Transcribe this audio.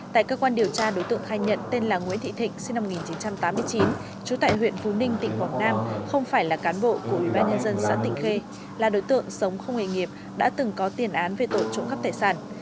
tại cơ quan điều tra đối tượng khai nhận tên là nguyễn thị thịnh sinh năm một nghìn chín trăm tám mươi chín trú tại huyện phú ninh tỉnh quảng nam không phải là cán bộ của ủy ban nhân dân xã tịnh khê là đối tượng sống không nghề nghiệp đã từng có tiền án về tội trộm cắp tài sản